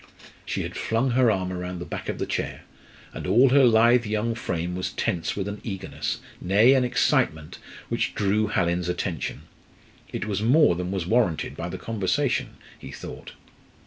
She had flung her arm round the back of her chair, and all her lithe young frame was tense with an eagerness, nay, an excitement, which drew Hallin's attention. It was more than was warranted by the conversation, he thought.